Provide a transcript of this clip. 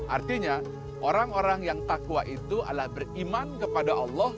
artinya orang orang yang takwa itu adalah beriman kepada allah